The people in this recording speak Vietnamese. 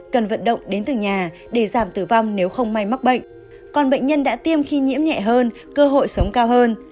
cần vận động đến từng nhà để giảm tử vong nếu không may mắc bệnh còn bệnh nhân đã tiêm khi nhiễm nhẹ hơn cơ hội sống cao hơn